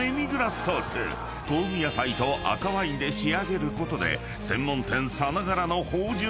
［香味野菜と赤ワインで仕上げることで専門店さながらの芳醇な味わいに］